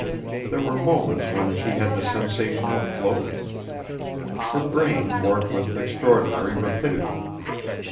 There were moments when she had the sensation of floating. Her brain worked with extraordinary rapidity.